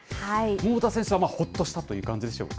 桃田選手はほっとしたという感じでしょうか。